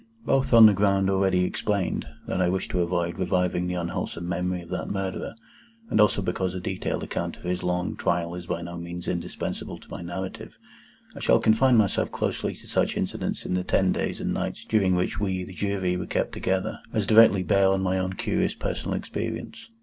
Both on the ground already explained, that I wish to avoid reviving the unwholesome memory of that Murderer, and also because a detailed account of his long trial is by no means indispensable to my narrative, I shall confine myself closely to such incidents in the ten days and nights during which we, the Jury, were kept together, as directly bear on my own curious personal experience.